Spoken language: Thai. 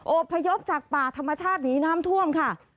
พยพจากป่าธรรมชาติหนีน้ำท่วมค่ะ